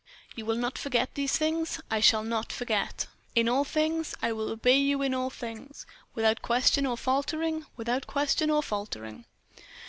"You will not forget these things?" "I shall not forget." "In all things." "I will obey you in all things." "Without question or faltering." "Without question or faltering."